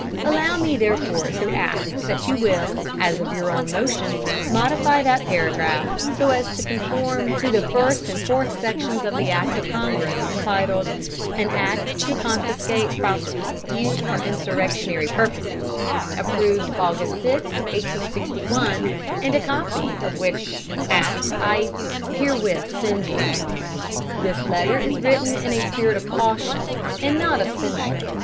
Allow me, therefore, to ask that you will, as of your own motion, modify that paragraph so as to conform to the first and fourth sections of the act of Congress entitled, 'An act to confiscate property used for insurrectionary purposes,' approved August 6, 1861, and a copy of which act I herewith send you. "This letter is written in a spirit of caution, and not of censure.